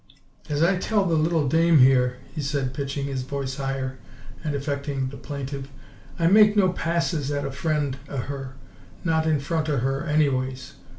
"As I tell the little dame here," he said, pitching his voice higher and affecting the plaintive, "I make no passes at a friend o' her not in front o' her, anyways.